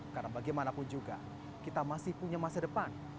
karena bagaimanapun juga kita masih punya masa depan